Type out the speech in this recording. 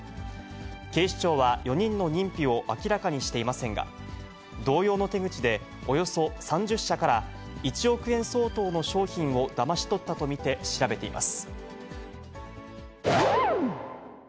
警視庁は４人の認否を明らかにしていませんが、同様の手口でおよそ３０社から、１億円相当の商品をだまし取ったと見て調べています。